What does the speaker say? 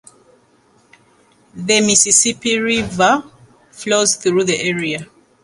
The Mississippi River flows through the area.